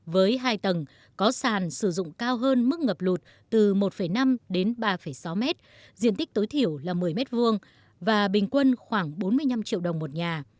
với hai tầng có sàn sử dụng cao hơn mức ngập lụt từ một năm đến ba sáu mét diện tích tối thiểu là một mươi m hai và bình quân khoảng bốn mươi năm triệu đồng một nhà